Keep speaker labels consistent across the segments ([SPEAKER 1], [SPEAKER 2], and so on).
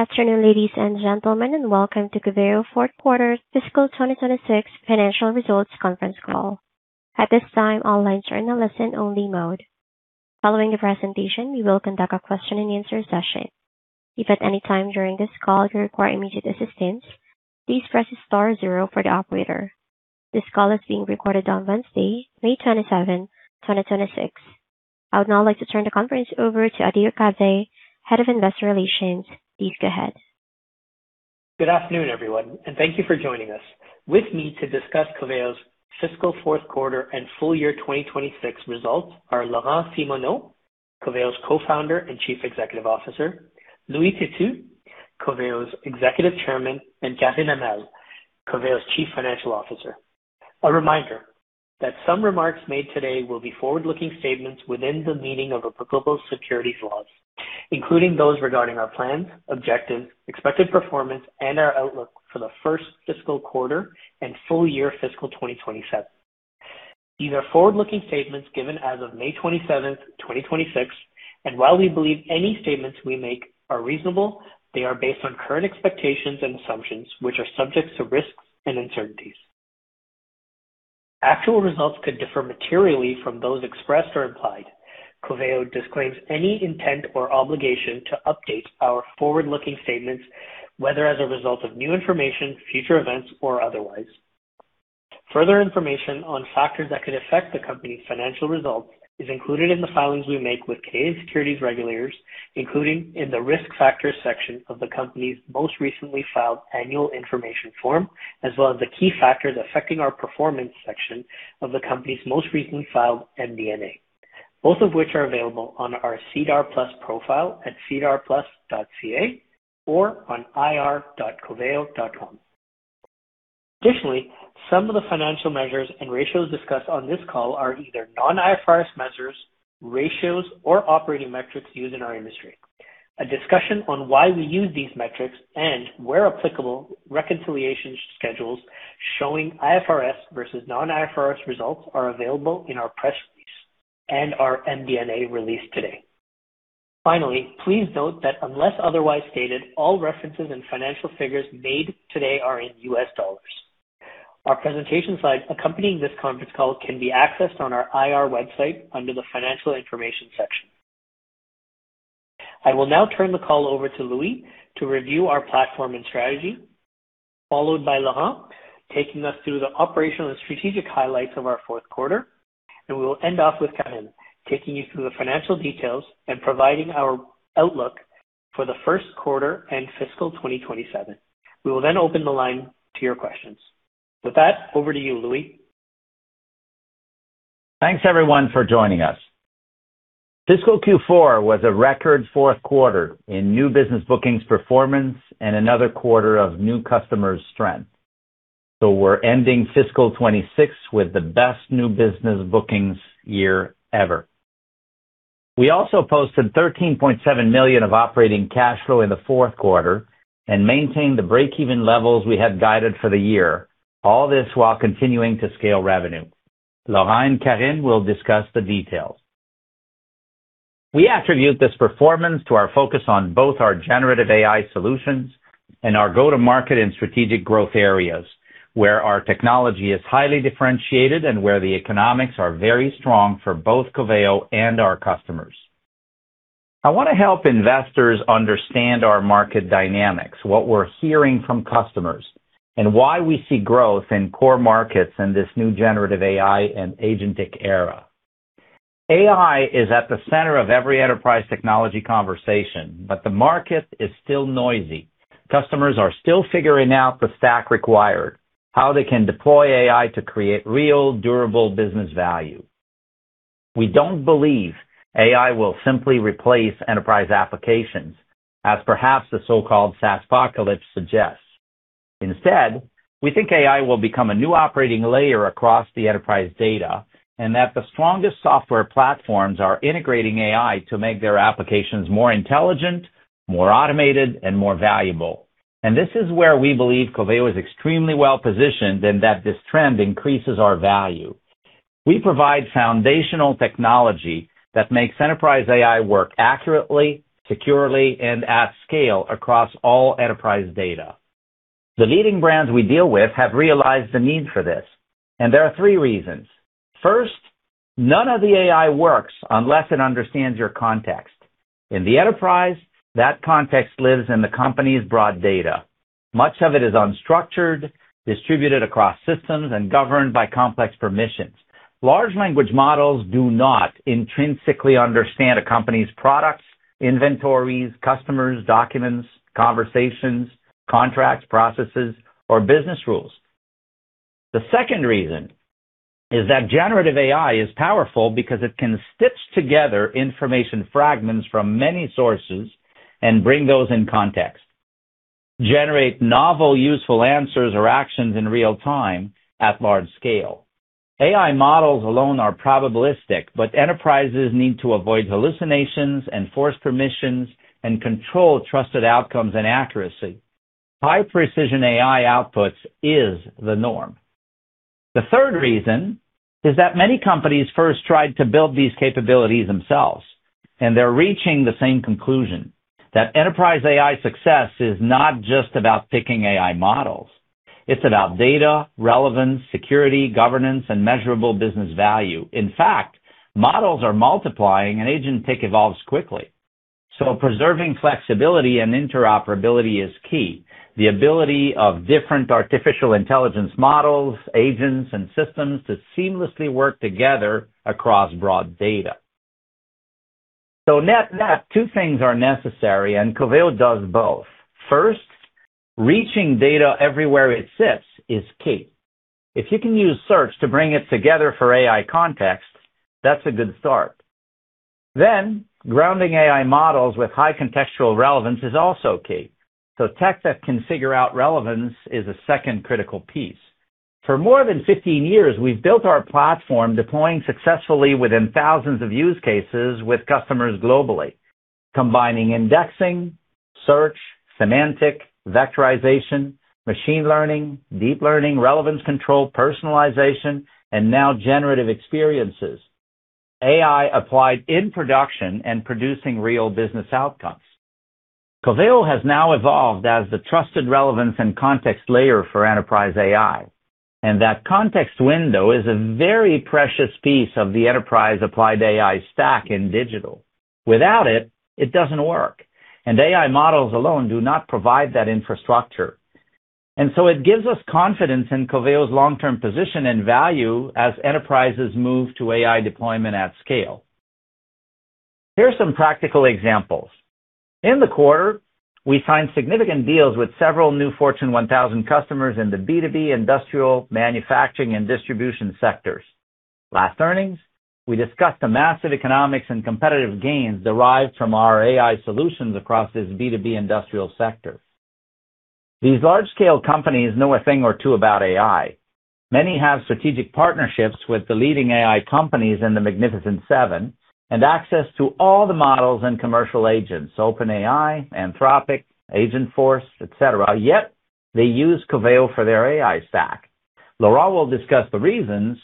[SPEAKER 1] Good afternoon, ladies and gentlemen, and welcome to Coveo fourth quarter fiscal 2026 financial results conference call. At this time, all lines are in a listen-only mode. Following the presentation, we will conduct a question and answer session. This call is being recorded on Wednesday, May 27, 2026. I would now like to turn the conference over to Adhir Kadve, Head of Investor Relations. Please go ahead.
[SPEAKER 2] Good afternoon, everyone, and thank you for joining us. With me to discuss Coveo's fiscal fourth quarter and full year 2026 results are Laurent Simoneau, Coveo's Co-Founder and Chief Executive Officer, Louis Têtu, Coveo's Executive Chairman, and Karine Hamel, Coveo's Chief Financial Officer. A reminder that some remarks made today will be forward-looking statements within the meaning of applicable securities laws, including those regarding our plans, objectives, expected performance, and our outlook for the first fiscal quarter and full year fiscal 2027. These are forward-looking statements given as of May 27, 2026, and while we believe any statements we make are reasonable, they are based on current expectations and assumptions, which are subject to risks and uncertainties. Actual results could differ materially from those expressed or implied. Coveo disclaims any intent or obligation to update our forward-looking statements, whether as a result of new information, future events, or otherwise. Further information on factors that could affect the company's financial results is included in the filings we make with Canadian securities regulators, including in the risk factors section of the company's most recently filed annual information form, as well as the key factors affecting our performance section of the company's most recently filed MD&A, both of which are available on our SEDAR+ profile at sedarplus.ca or on ir.coveo.com. Additionally, some of the financial measures and ratios discussed on this call are either non-IFRS measures, ratios, or operating metrics used in our industry. A discussion on why we use these metrics and, where applicable, reconciliation schedules showing IFRS versus non-IFRS results are available in our press release and our MD&A released today. Finally, please note that unless otherwise stated, all references and financial figures made today are in U.S. dollars. Our presentation slides accompanying this conference call can be accessed on our IR website under the Financial Information section. I will now turn the call over to Louis to review our platform and strategy, followed by Laurent taking us through the operational and strategic highlights of our fourth quarter, and we will end off with Karine taking you through the financial details and providing our outlook for the first quarter and fiscal 2027. We will then open the line to your questions. With that, over to you, Louis.
[SPEAKER 3] Thanks everyone for joining us. Fiscal Q4 was a record fourth quarter in new business bookings performance and another quarter of new customer strength. We're ending fiscal 2026 with the best new business bookings year ever. We also posted $13.7 million of operating cash flow in the fourth quarter and maintained the break-even levels we had guided for the year, all this while continuing to scale revenue. Laurent and Karine will discuss the details. We attribute this performance to our focus on both our generative AI solutions and our go-to-market and strategic growth areas, where our technology is highly differentiated and where the economics are very strong for both Coveo and our customers. I want to help investors understand our market dynamics, what we're hearing from customers, and why we see growth in core markets in this new generative AI and agentic era. AI is at the center of every enterprise technology conversation, but the market is still noisy. Customers are still figuring out the stack required, how they can deploy AI to create real, durable business value. We don't believe AI will simply replace enterprise applications as perhaps the so-called SaaSpocalypse suggests. Instead, we think AI will become a new operating layer across the enterprise data, and that the strongest software platforms are integrating AI to make their applications more intelligent, more automated, and more valuable. This is where we believe Coveo is extremely well-positioned and that this trend increases our value. We provide foundational technology that makes enterprise AI work accurately, securely, and at scale across all enterprise data. The leading brands we deal with have realized the need for this, and there are three reasons. First, none of the AI works unless it understands your context. In the enterprise, that context lives in the company's broad data. Much of it is unstructured, distributed across systems, and governed by complex permissions. Large language models do not intrinsically understand a company's products, inventories, customers, documents, conversations, contracts, processes, or business rules. The second reason is that generative AI is powerful because it can stitch together information fragments from many sources and bring those in context, generate novel, useful answers or actions in real-time at large scale. AI models alone are probabilistic, but enterprises need to avoid hallucinations, enforce permissions, and control trusted outcomes and accuracy. High-precision AI outputs is the norm. The third reason is that many companies first tried to build these capabilities themselves, and they're reaching the same conclusion, that enterprise AI success is not just about picking AI models. It's about data relevance, security, governance, and measurable business value. In fact, models are multiplying and agentic evolves quickly. Preserving flexibility and interoperability is key. The ability of different artificial intelligence models, agents, and systems to seamlessly work together across broad data. Net-net, two things are necessary, and Coveo does both. First, reaching data everywhere it sits is key. If you can use search to bring it together for AI context, that's a good start. Grounding AI models with high contextual relevance is also key. Tech that can figure out relevance is a second critical piece. For more than 15 years, we've built our platform, deploying successfully within thousands of use cases with customers globally, combining indexing, search, semantic, vectorization, machine learning, deep learning, relevance control, personalization, and now generative experiences. AI applied in production and producing real business outcomes. Coveo has now evolved as the trusted relevance and context layer for enterprise AI, and that context window is a very precious piece of the enterprise applied AI stack in digital. Without it doesn't work, and AI models alone do not provide that infrastructure. It gives us confidence in Coveo's long-term position and value as enterprises move to AI deployment at scale. Here are some practical examples. In the quarter, we signed significant deals with several new Fortune 1000 customers in the B2B, industrial, manufacturing, and distribution sectors. Last earnings, we discussed the massive economics and competitive gains derived from our AI solutions across this B2B industrial sector. These large-scale companies know a thing or two about AI. Many have strategic partnerships with the leading AI companies in the Magnificent Seven and access to all the models and commercial agents, OpenAI, Anthropic, Agentforce, et cetera. Yet they use Coveo for their AI stack. Laurent will discuss the reasons,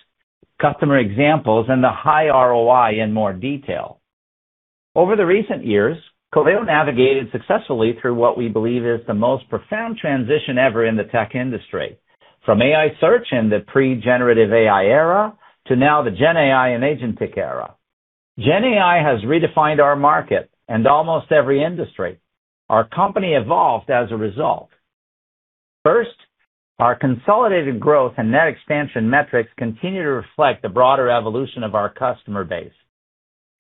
[SPEAKER 3] customer examples, and the high ROI in more detail. Over the recent years, Coveo navigated successfully through what we believe is the most profound transition ever in the tech industry, from AI search in the pre-generative AI era to now the GenAI and agentic era. GenAI has redefined our market and almost every industry. Our company evolved as a result. Our consolidated growth and net expansion metrics continue to reflect the broader evolution of our customer base.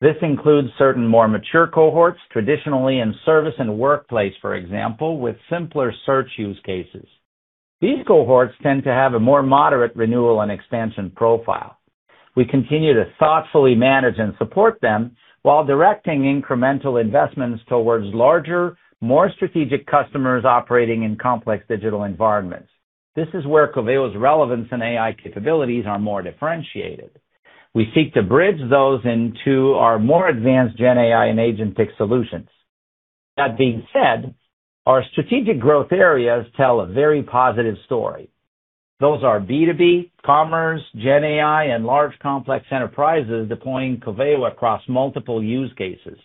[SPEAKER 3] This includes certain more mature cohorts, traditionally in service and workplace, for example, with simpler search use cases. These cohorts tend to have a more moderate renewal and expansion profile. We continue to thoughtfully manage and support them while directing incremental investments towards larger, more strategic customers operating in complex digital environments. This is where Coveo's relevance and AI capabilities are more differentiated. We seek to bridge those into our more advanced GenAI and agentic solutions. That being said, our strategic growth areas tell a very positive story. Those are B2B, commerce, GenAI, and large complex enterprises deploying Coveo across multiple use cases.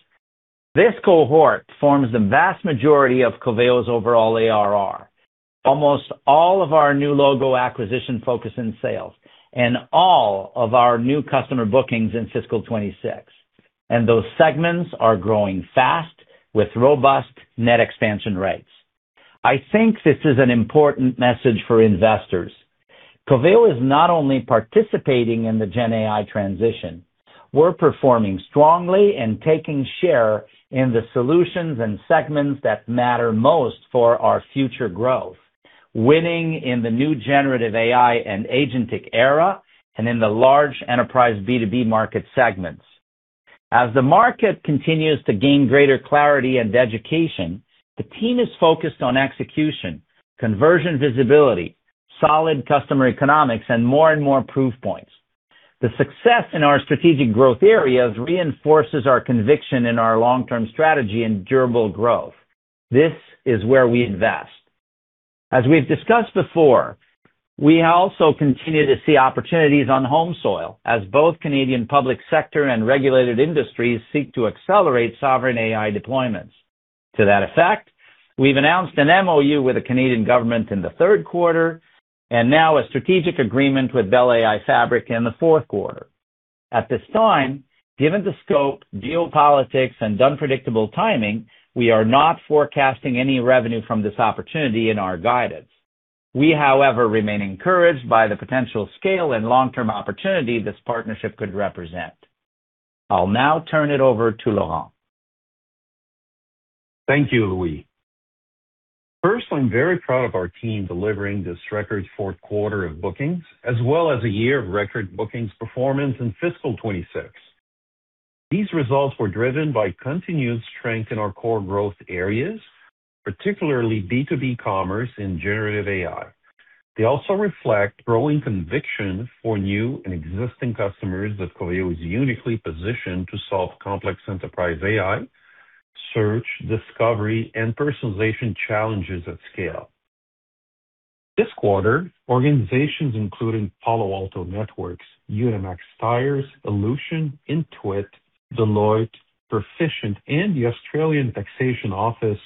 [SPEAKER 3] This cohort forms the vast majority of Coveo's overall ARR. Almost all of our new logo acquisition focus in sales and all of our new customer bookings in fiscal 2026. Those segments are growing fast with robust net expansion rates. I think this is an important message for investors. Coveo is not only participating in the GenAI transition, we're performing strongly and taking share in the solutions and segments that matter most for our future growth, winning in the new generative AI and agentic era and in the large enterprise B2B market segments. As the market continues to gain greater clarity and education, the team is focused on execution, conversion visibility, solid customer economics, and more and more proof points. The success in our strategic growth areas reinforces our conviction in our long-term strategy and durable growth. This is where we invest. As we've discussed before, we also continue to see opportunities on home soil as both Canadian public sector and regulated industries seek to accelerate sovereign AI deployments. To that effect, we've announced an MoU with the Canadian government in the third quarter and now a strategic agreement with Bell AI Fabric in the fourth quarter. At this time, given the scope, geopolitics, and unpredictable timing, we are not forecasting any revenue from this opportunity in our guidance. We, however, remain encouraged by the potential scale and long-term opportunity this partnership could represent. I'll now turn it over to Laurent.
[SPEAKER 4] Thank you, Louis. First, I'm very proud of our team delivering this record fourth quarter of bookings, as well as a year of record bookings performance in fiscal 2026. These results were driven by continued strength in our core growth areas, particularly B2B commerce and generative AI. They also reflect growing conviction for new and existing customers that Coveo is uniquely positioned to solve complex enterprise AI Search, discovery, and personalization challenges at scale. This quarter, organizations including Palo Alto Networks, Unimax, Ellucian, Intuit, Deloitte, Perficient, and the Australian Taxation Office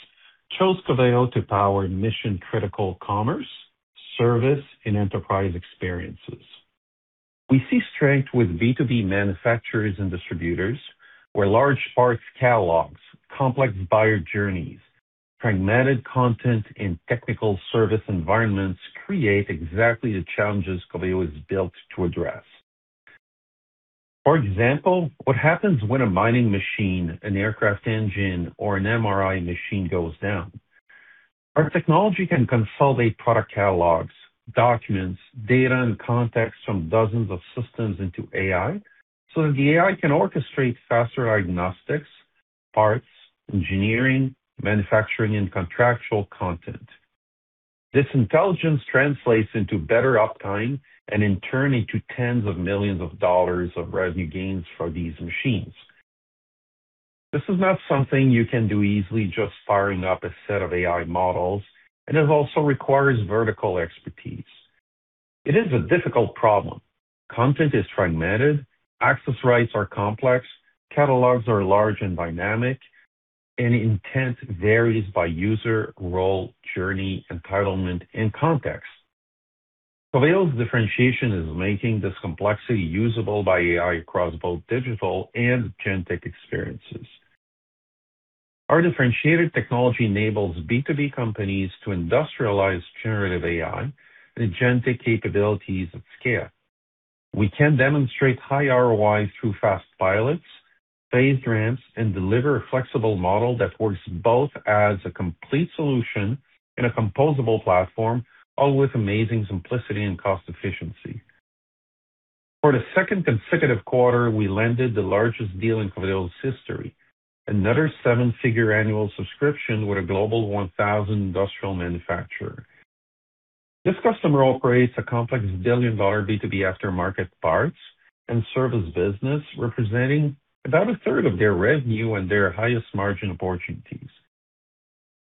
[SPEAKER 4] chose Coveo to power mission-critical commerce, service, and enterprise experiences. We see strength with B2B manufacturers and distributors, where large parts catalogs, complex buyer journeys, fragmented content in technical service environments create exactly the challenges Coveo is built to address. For example, what happens when a mining machine, an aircraft engine, or an MRI machine goes down? Our technology can consolidate product catalogs, documents, data, and context from dozens of systems into AI so that the AI can orchestrate faster diagnostics, parts, engineering, manufacturing, and contractual content. This intelligence translates into better uptime and in turn into tens of millions of dollars of revenue gains for these machines. This is not something you can do easily just firing up a set of AI models, and it also requires vertical expertise. It is a difficult problem. Content is fragmented, access rights are complex, catalogs are large and dynamic, and intent varies by user, role, journey, entitlement, and context. Coveo's differentiation is making this complexity usable by AI across both digital and agentic experiences. Our differentiated technology enables B2B companies to industrialize generative AI and agentic capabilities at scale. We can demonstrate high ROI through fast pilots, phased ramps, and deliver a flexible model that works both as a complete solution and a composable platform, all with amazing simplicity and cost efficiency. For the second consecutive quarter, we landed the largest deal in Coveo's history, another seven-figure annual subscription with a Global 1000 industrial manufacturer. This customer operates a complex billion-dollar B2B aftermarket parts and service business, representing about 1/3 of their revenue and their highest margin opportunities.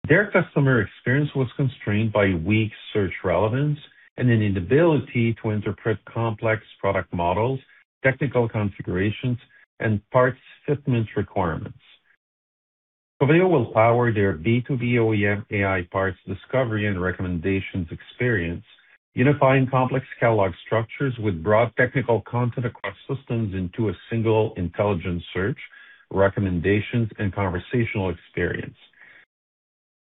[SPEAKER 4] Their customer experience was constrained by weak search relevance and an inability to interpret complex product models, technical configurations, and parts fitment requirements. Coveo will power their B2B OEM AI parts discovery and recommendations experience, unifying complex catalog structures with broad technical content across systems into a single intelligent search, recommendations, and conversational experience.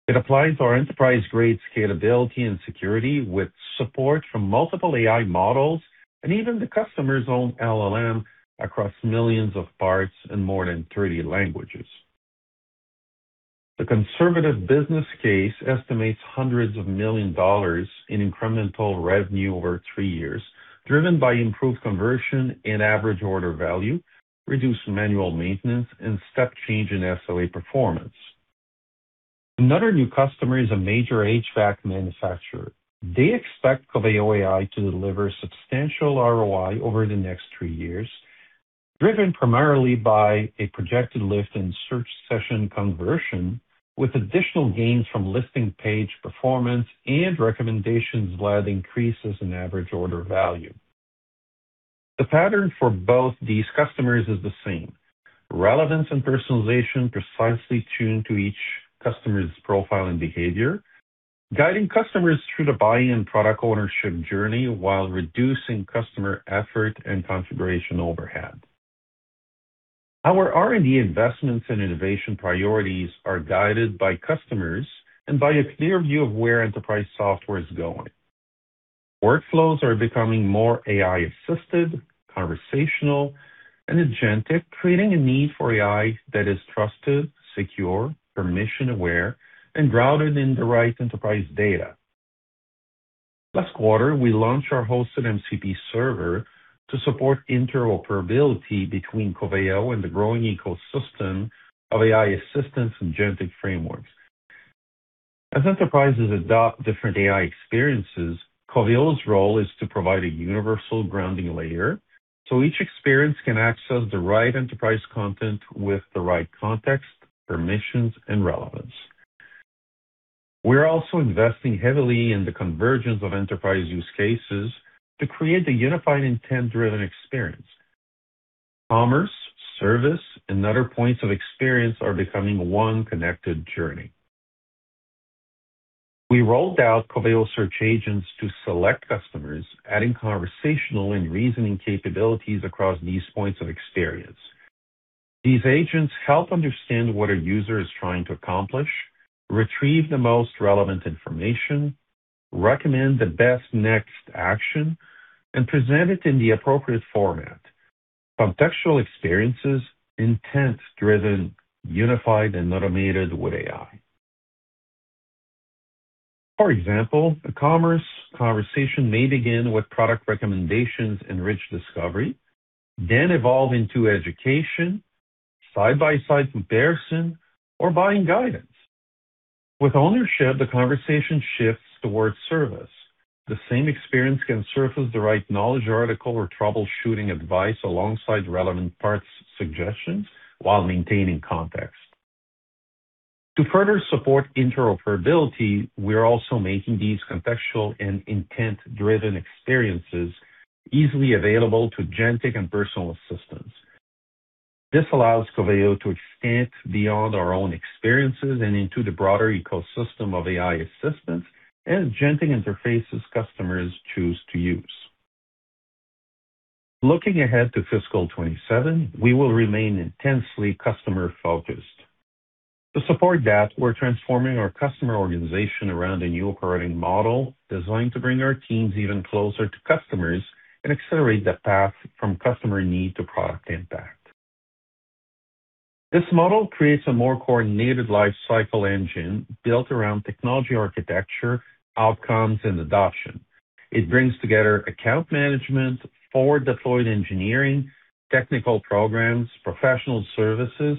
[SPEAKER 4] It applies our enterprise-grade scalability and security with support from multiple AI models and even the customer's own LLM across millions of parts in more than 30 languages. The conservative business case estimates hundreds of million dollars in incremental revenue over three years, driven by improved conversion and average order value, reduced manual maintenance, and step change in SOA performance. Another new customer is a major HVAC manufacturer. They expect Coveo AI to deliver substantial ROI over the next three years, driven primarily by a projected lift in search session conversion, with additional gains from listing page performance and recommendations that increases in average order value. The pattern for both these customers is the same. Relevance and personalization precisely tuned to each customer's profile and behavior, guiding customers through the buy and product ownership journey while reducing customer effort and configuration overhead. Our R&D investments and innovation priorities are guided by customers and by a clear view of where enterprise software is going. Workflows are becoming more AI-assisted, conversational, and agentic, creating a need for AI that is trusted, secure, permission-aware, and grounded in the right enterprise data. Last quarter, we launched our hosted MCP server to support interoperability between Coveo and the growing ecosystem of AI assistants and agentic frameworks. As enterprises adopt different AI experiences, Coveo's role is to provide a universal grounding layer so each experience can access the right enterprise content with the right context, permissions, and relevance. We're also investing heavily in the convergence of enterprise use cases to create a unified, intent-driven experience. Commerce, service, and other points of experience are becoming one connected journey. We rolled out Coveo Search Agents to select customers, adding conversational and reasoning capabilities across these points of experience. These agents help understand what a user is trying to accomplish, retrieve the most relevant information, recommend the best next action, and present it in the appropriate format. Contextual experiences, intent-driven, unified, and automated with AI. For example, a commerce conversation may begin with product recommendations and rich discovery, then evolve into education, side-by-side comparison, or buying guidance. With ownership, the conversation shifts towards service. The same experience can surface the right knowledge article or troubleshooting advice alongside relevant parts suggestions while maintaining context. To further support interoperability, we are also making these contextual and intent-driven experiences easily available to agentic and personal assistants. This allows Coveo to extend beyond our own experiences and into the broader ecosystem of AI assistants and agentic interfaces customers choose to use. Looking ahead to fiscal 2027, we will remain intensely customer-focused. To support that, we're transforming our customer organization around a new operating model designed to bring our teams even closer to customers and accelerate the path from customer need to product impact. This model creates a more coordinated lifecycle engine built around technology architecture, outcomes, and adoption. It brings together account management, forward deployed engineering, technical programs, professional services,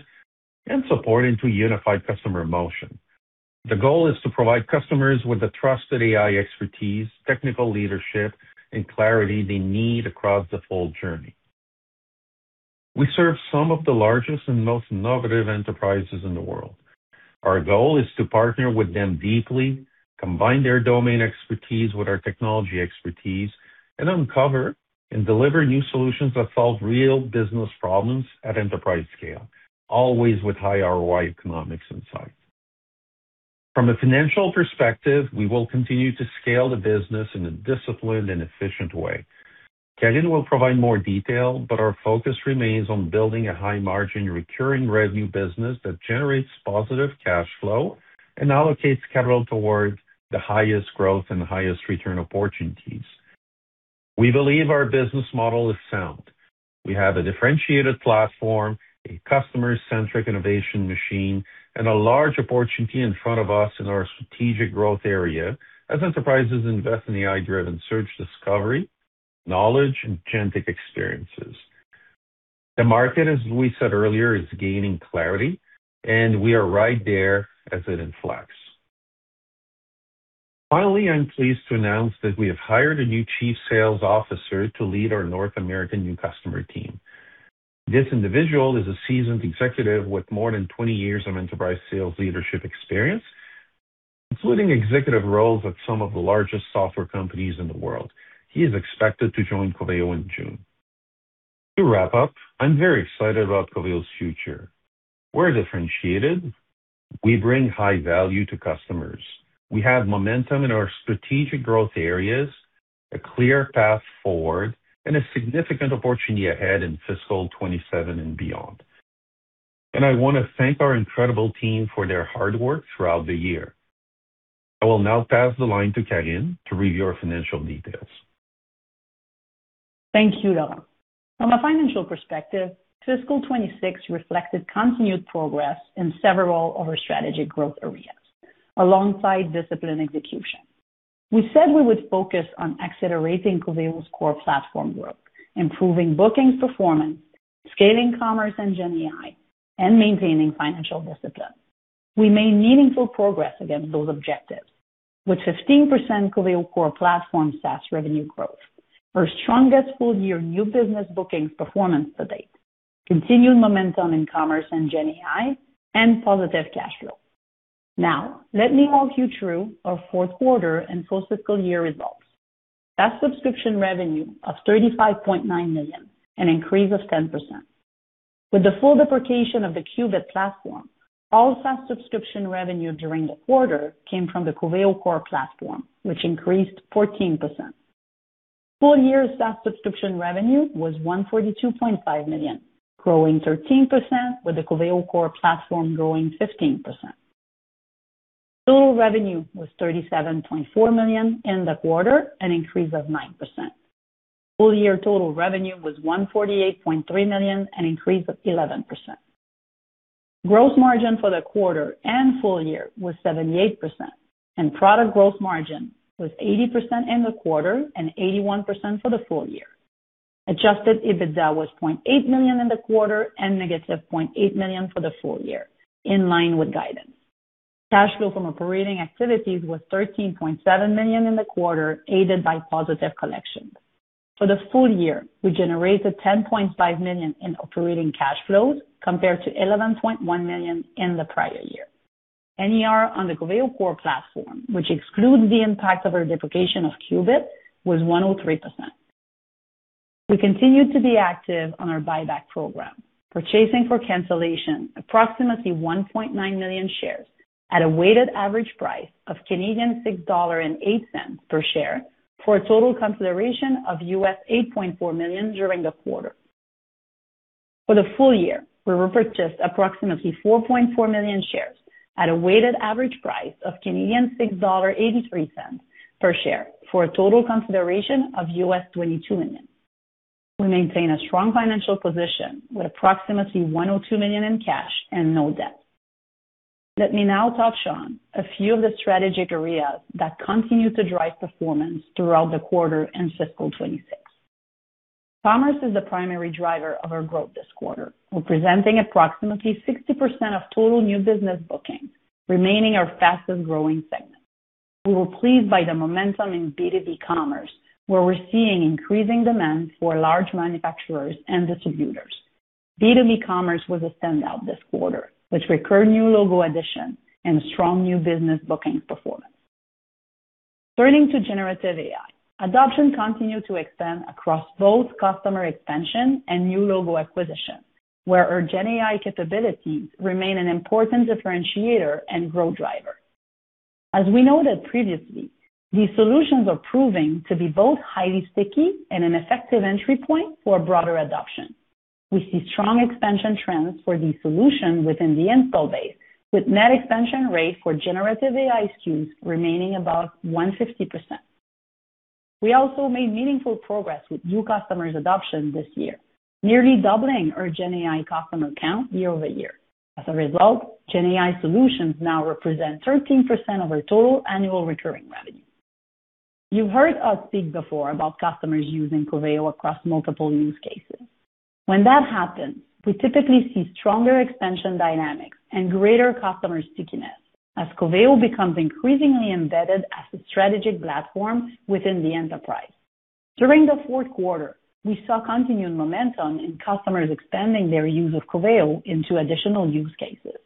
[SPEAKER 4] and support into a unified customer motion. The goal is to provide customers with the trusted AI expertise, technical leadership, and clarity they need across the full journey. We serve some of the largest and most innovative enterprises in the world. Our goal is to partner with them deeply, combine their domain expertise with our technology expertise, and uncover and deliver new solutions that solve real business problems at enterprise scale, always with high ROI economics in sight. From a financial perspective, we will continue to scale the business in a disciplined and efficient way. Karine will provide more detail, but our focus remains on building a high-margin, recurring revenue business that generates positive cash flow and allocates capital towards the highest growth and highest return opportunities. We believe our business model is sound. We have a differentiated platform, a customer-centric innovation machine, and a large opportunity in front of us in our strategic growth area as enterprises invest in AI-driven search discovery, knowledge, and agentic experiences. The market, as we said earlier, is gaining clarity, and we are right there as it inflates. Finally, I'm pleased to announce that we have hired a new Chief Sales Officer to lead our North American new customer team. This individual is a seasoned executive with more than 20 years of enterprise sales leadership experience, including executive roles at some of the largest software companies in the world. He is expected to join Coveo in June. To wrap up, I'm very excited about Coveo's future. We're differentiated. We bring high value to customers. We have momentum in our strategic growth areas, a clear path forward, and a significant opportunity ahead in fiscal 2027 and beyond. I want to thank our incredible team for their hard work throughout the year. I will now pass the line to Karine to review our financial details.
[SPEAKER 5] Thank you, Laurent. From a financial perspective, fiscal 2026 reflected continued progress in several of our strategic growth areas, alongside disciplined execution. We said we would focus on accelerating Coveo's Core Platform growth, improving bookings performance, scaling commerce, and GenAI, and maintaining financial discipline. We made meaningful progress against those objectives with 15% Coveo Core Platform SaaS revenue growth. Our strongest full-year new business bookings performance to date, continued momentum in commerce and GenAI, and positive cash flow. Let me walk you through our fourth quarter and full fiscal year results. SaaS subscription revenue of $35.9 million, an increase of 10%. With the full deprecation of the Qubit platform, all SaaS subscription revenue during the quarter came from the Coveo Core Platform, which increased 14%. Full year SaaS subscription revenue was $142.5 million, growing 13%, with the Coveo Core Platform growing 15%. Total revenue was $37.4 million in the quarter, an increase of 9%. Full year total revenue was $148.3 million, an increase of 11%. Gross margin for the quarter and full year was 78%, and product gross margin was 80% in the quarter and 81% for the full year. Adjusted EBITDA was $0.8 million in the quarter and -$0.8 million for the full year, in line with guidance. Cash flow from operating activities was $13.7 million in the quarter, aided by positive collections. For the full year, we generated $10.5 million in operating cash flows, compared to $11.1 million in the prior year. NER on the Coveo Core Platform, which excludes the impact of our deprecation of Qubit, was 103%. We continue to be active on our buyback program, purchasing for cancellation approximately 1.9 million shares at a weighted average price of 6.08 Canadian dollars per share, for a total consideration of $8.4 million during the quarter. For the full year, we repurchased approximately 4.4 million shares at a weighted average price of 6.83 Canadian dollars per share for a total consideration of $22 million. We maintain a strong financial position with approximately $102 million in cash and no debt. Let me now touch on a few of the strategic areas that continue to drive performance throughout the quarter and fiscal 2026. Commerce is the primary driver of our growth this quarter, representing approximately 60% of total new business bookings, remaining our fastest-growing segment. We were pleased by the momentum in B2B commerce, where we're seeing increasing demand for large manufacturers and distributors. B2B commerce was a standout this quarter, with record new logo addition and strong new business booking performance. Turning to generative AI. Adoption continued to expand across both customer expansion and new logo acquisition, where our GenAI capabilities remain an important differentiator and growth driver. As we noted previously, these solutions are proving to be both highly sticky and an effective entry point for broader adoption. We see strong expansion trends for the solution within the install base, with net expansion rate for generative AI SKUs remaining above 150%. We also made meaningful progress with new customers adoption this year, nearly doubling our GenAI customer count year-over-year. As a result, GenAI solutions now represent 13% of our total annual recurring revenue. You've heard us speak before about customers using Coveo across multiple use cases. When that happens, we typically see stronger expansion dynamics and greater customer stickiness, as Coveo becomes increasingly embedded as a strategic platform within the enterprise. During the fourth quarter, we saw continued momentum in customers expanding their use of Coveo into additional use cases.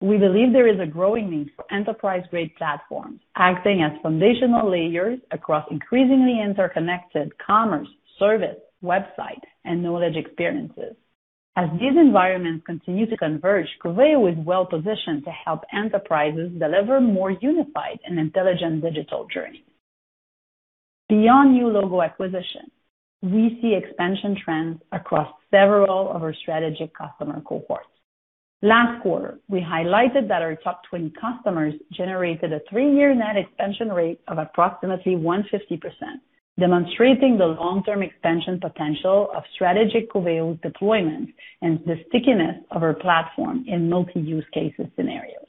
[SPEAKER 5] We believe there is a growing need for enterprise-grade platforms acting as foundational layers across increasingly interconnected commerce, service, website, and knowledge experiences. As these environments continue to converge, Coveo is well-positioned to help enterprises deliver more unified and intelligent digital journeys. Beyond new logo acquisition, we see expansion trends across several of our strategic customer cohorts. Last quarter, we highlighted that our top 20 customers generated a three-year net expansion rate of approximately 150%, demonstrating the long-term expansion potential of strategic Coveo deployments and the stickiness of our platform in multi-use cases scenarios.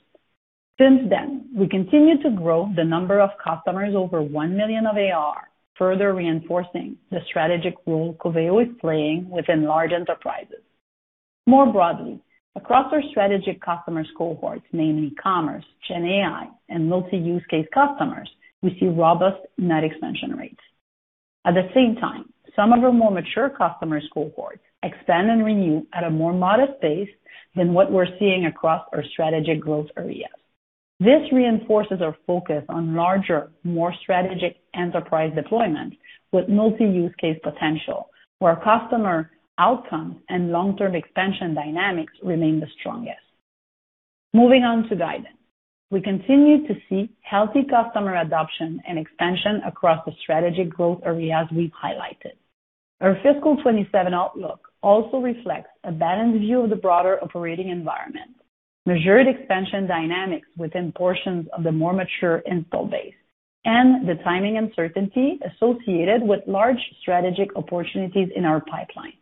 [SPEAKER 5] Since then, we continue to grow the number of customers over $1 million of ARR, further reinforcing the strategic role Coveo is playing within large enterprises. More broadly, across our strategic customers cohorts, namely commerce, GenAI, and multi-use case customers, we see robust net expansion rates. At the same time, some of our more mature customers cohorts expand and renew at a more modest pace than what we're seeing across our strategic growth areas. This reinforces our focus on larger, more strategic enterprise deployments with multi-use case potential, where customer outcomes and long-term expansion dynamics remain the strongest. Moving on to guidance. We continue to see healthy customer adoption and expansion across the strategic growth areas we've highlighted. Our fiscal 2027 outlook also reflects a balanced view of the broader operating environment, measured expansion dynamics within portions of the more mature install base, and the timing uncertainty associated with large strategic opportunities in our pipeline.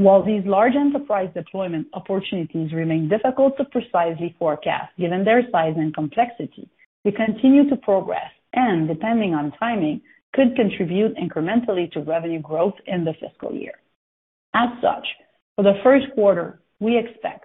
[SPEAKER 5] While these large enterprise deployment opportunities remain difficult to precisely forecast, given their size and complexity, we continue to progress and, depending on timing, could contribute incrementally to revenue growth in the fiscal year. As such, for the first quarter, we expect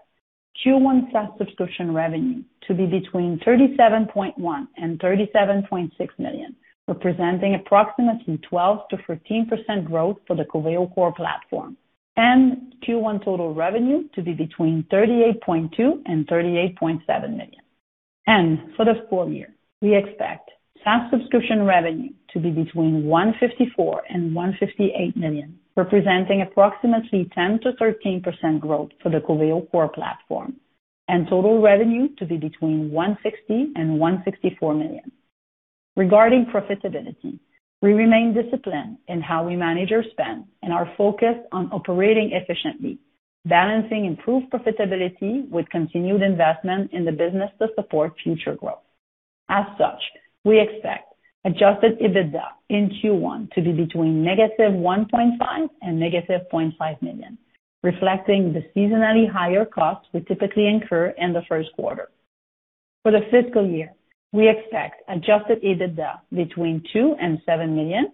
[SPEAKER 5] Q1 SaaS subscription revenue to be between $37.1 million and $37.6 million, representing approximately 12%-14% growth for the Coveo Core Platform, and Q1 total revenue to be between $38.2 million and $38.7 million. For the full year, we expect SaaS subscription revenue to be between $154 million and $158 million, representing approximately 10%-13% growth for the Coveo Core Platform, and total revenue to be between $160 million and $164 million. Regarding profitability, we remain disciplined in how we manage our spend and are focused on operating efficiently, balancing improved profitability with continued investment in the business to support future growth. As such, we expect adjusted EBITDA in Q1 to be between -$1.5 million and -$0.5 million, reflecting the seasonally higher costs we typically incur in the first quarter. For the fiscal year, we expect adjusted EBITDA between $2 million and $7 million,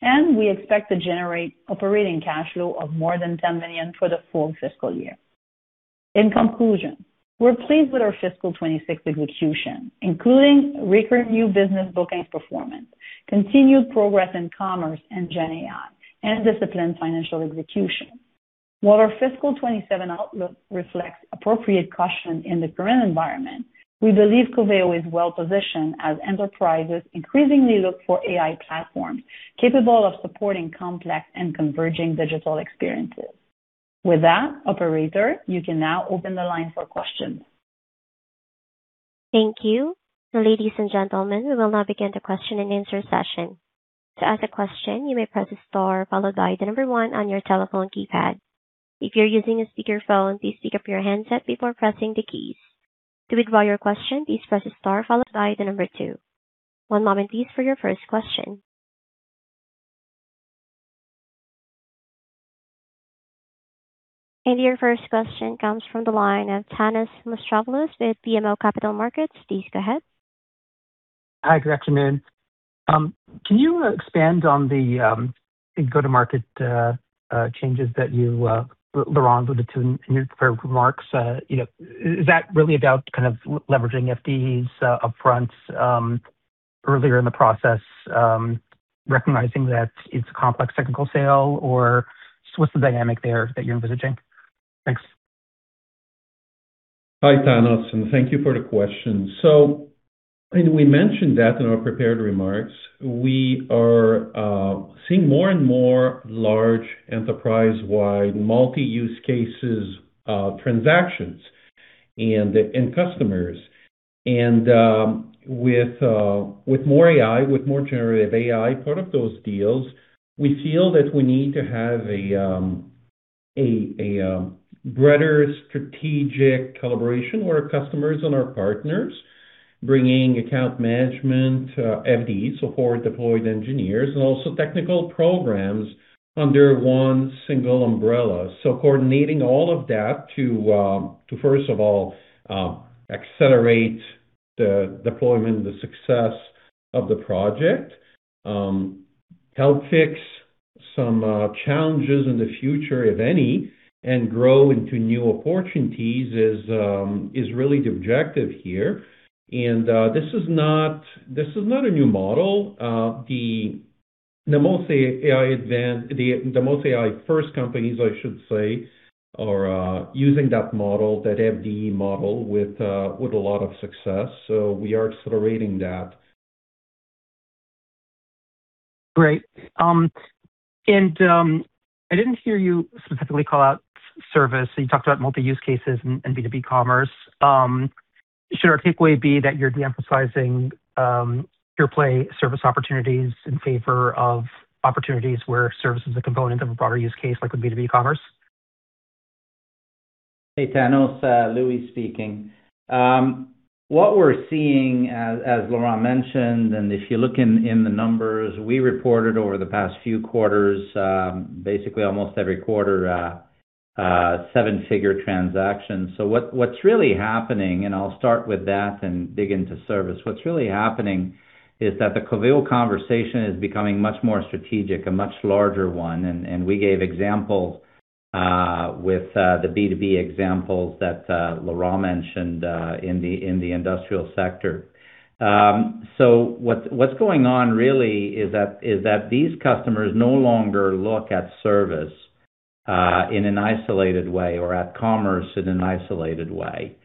[SPEAKER 5] and we expect to generate operating cash flow of more than $10 million for the full fiscal year. In conclusion, we're pleased with our fiscal 2026 execution, including record new business bookings performance, continued progress in commerce and GenAI, and disciplined financial execution. While our fiscal 2027 outlook reflects appropriate caution in the current environment. We believe Coveo is well-positioned as enterprises increasingly look for AI platforms capable of supporting complex and converging digital experiences. With that, Operator, you can now open the line for questions.
[SPEAKER 1] Thank you. Your first question comes from the line of Thanos Moschopoulos with BMO Capital Markets. Please go ahead.
[SPEAKER 6] Hi. Good afternoon. Can you expand on the go-to-market changes that you, Laurent, alluded to in your prepared remarks? Is that really about kind of leveraging FDEs upfront earlier in the process, recognizing that it's a complex technical sale? Or what's the dynamic there that you're envisaging? Thanks.
[SPEAKER 4] Hi, Thanos, and thank you for the question. We mentioned that in our prepared remarks. We are seeing more and more large, enterprise-wide, multi-use cases transactions and customers. With more AI, with more generative AI, part of those deals, we feel that we need to have a broader strategic collaboration with our customers and our partners, bringing account management, FDEs, so forward deployed engineers, and also technical programs under one single umbrella. Coordinating all of that to, first of all, accelerate the deployment and the success of the project, help fix some challenges in the future, if any, and grow into new opportunities is really the objective here. This is not a new model. The most AI-first companies, I should say, are using that model, that FDE model, with a lot of success. We are accelerating that.
[SPEAKER 6] Great. I didn't hear you specifically call out service. You talked about multi-use cases and B2B commerce. Should our takeaway be that you're de-emphasizing pure-play service opportunities in favor of opportunities where service is a component of a broader use case, like with B2B commerce?
[SPEAKER 3] Hey, Thanos, Louis speaking. What we're seeing, as Laurent mentioned, and if you look in the numbers, we reported over the past few quarters, basically almost every quarter, seven-figure transactions. What's really happening, and I'll start with that and dig into service. What's really happening is that the Coveo conversation is becoming much more strategic, a much larger one. We gave examples with the B2B examples that Laurent mentioned in the industrial sector. What's going on really is that these customers no longer look at service in an isolated way or at commerce in an isolated way.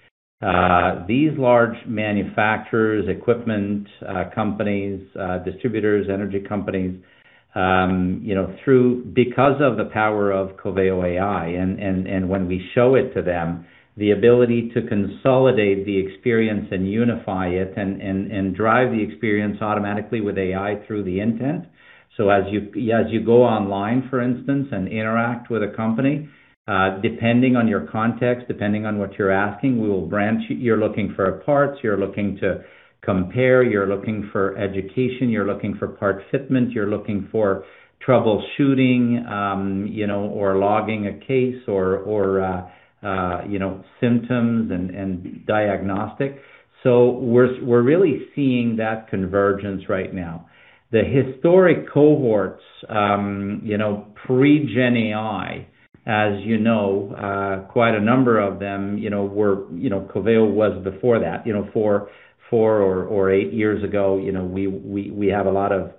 [SPEAKER 3] These large manufacturers, equipment companies, distributors, energy companies, because of the power of Coveo AI, and when we show it to them, the ability to consolidate the experience and unify it and drive the experience automatically with AI through the intent. As you go online, for instance, and interact with a company, depending on your context, depending on what you're asking, we will branch. You're looking for parts, you're looking to compare, you're looking for education, you're looking for part fitment, you're looking for troubleshooting or logging a case or symptoms and diagnostics. We're really seeing that convergence right now. The historic cohorts pre-GenAI, as you know, quite a number of them, Coveo was before that. Four or eight years ago, we have a lot of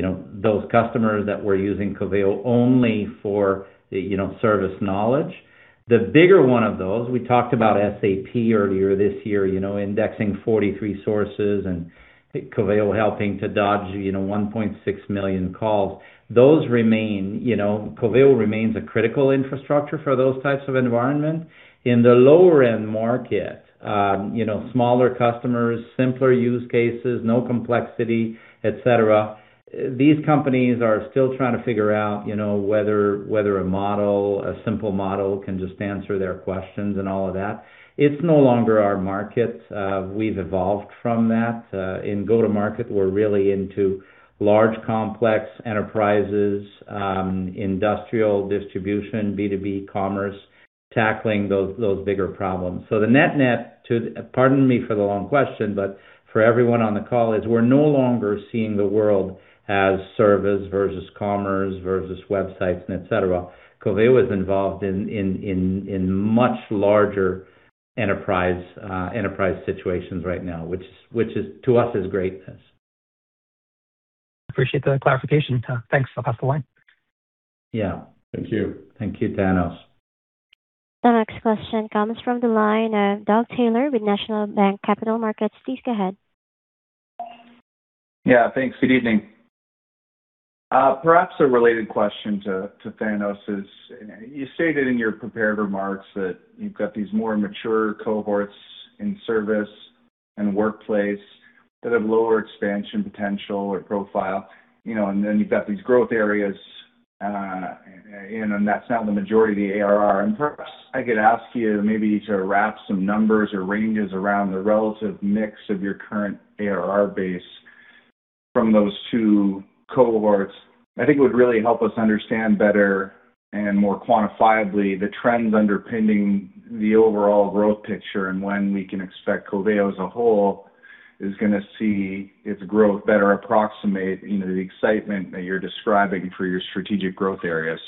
[SPEAKER 3] those customers that were using Coveo only for service knowledge. The bigger one of those, we talked about SAP earlier this year indexing 43 sources and Coveo helping to dodge 1.6 million calls. Those remain. Coveo remains a critical infrastructure for those types of environments. In the lower-end market, smaller customers, simpler use cases, no complexity, et cetera, these companies are still trying to figure out whether a model, a simple model can just answer their questions and all of that. It's no longer our market. In go-to-market, we're really into large, complex enterprises, industrial distribution, B2B commerce, tackling those bigger problems. The net-net to, pardon me for the long question, but for everyone on the call, is we're no longer seeing the world as service versus commerce versus websites and et cetera. Coveo is involved in much larger enterprise situations right now, which to us is great.
[SPEAKER 6] Appreciate the clarification. Thanks. I'll pass the line.
[SPEAKER 3] Yeah.
[SPEAKER 4] Thank you.
[SPEAKER 3] Thank you, Thanos.
[SPEAKER 1] The next question comes from the line of Doug Taylor with National Bank Capital Markets. Please go ahead.
[SPEAKER 7] Yeah. Thanks. Good evening. Perhaps a related question to Thanos is, you stated in your prepared remarks that you've got these more mature cohorts in service and workplace that have lower expansion potential or profile, and then you've got these growth areas, and that's now the majority of the ARR. Perhaps I could ask you maybe to wrap some numbers or ranges around the relative mix of your current ARR base from those two cohorts. I think it would really help us understand better and more quantifiably the trends underpinning the overall growth picture and when we can expect Coveo as a whole is going to see its growth better approximate the excitement that you're describing for your strategic growth areas?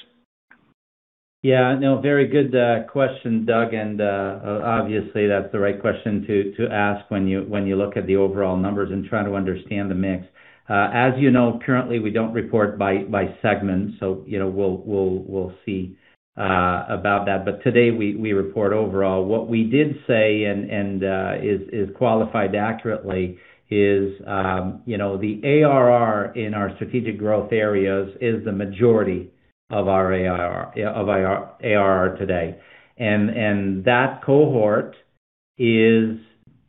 [SPEAKER 3] Very good question, Doug, obviously that's the right question to ask when you look at the overall numbers and try to understand the mix. As you know, currently we don't report by segment, so we'll see about that. Today, we report overall. What we did say, and is qualified accurately, is the ARR in our strategic growth areas is the majority of our ARR today. That cohort is